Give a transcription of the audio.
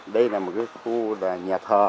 đây là một khu nhà thờ